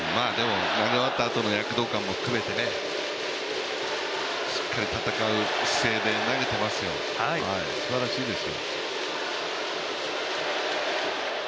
投げ終わったあとの躍動感も含めてしっかり戦う姿勢で投げてますよ、すばらしいです。